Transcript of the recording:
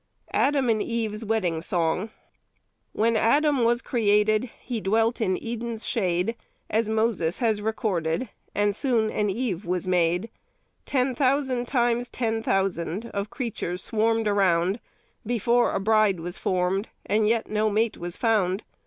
ADAM AND EVE'S WEDDING SONG. When Adam was created, he dwelt in Eden's shade, As Moses has recorded, and soon an Eve was made. Ten thousand times ten thousand Of creatures swarmed around Before a bride was formed, And yet no mate was found.